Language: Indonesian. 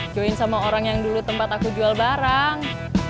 join sama orang yang dulu tempat aku jual barang